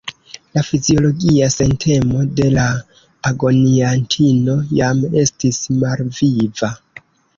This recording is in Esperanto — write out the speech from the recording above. La fiziologia sentemo de la agoniantino jam estis malviva.